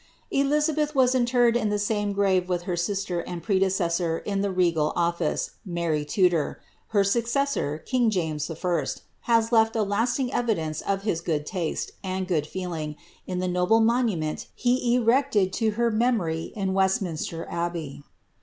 Elizabeth was interred in the same grave with her sister and prede cessor in the regal office, Mary Tudor. Her successor, king James 1., has lef^ a lasting evidence of his good taste, and good feeling, in the noble monument he erected to her memory in Westminster Abbey.